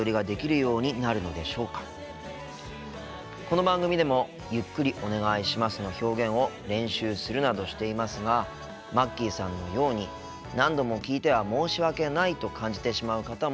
この番組でも「ゆっくりお願いします」の表現を練習するなどしていますがまっきーさんのように何度も聞いては申し訳ないと感じてしまう方もいらっしゃいますよね。